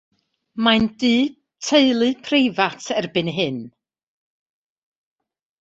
Mae'n dŷ teulu preifat erbyn hyn.